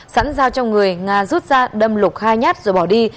sẵn giao cho người nga rút ra đâm lục hai nhát rồi bỏ đi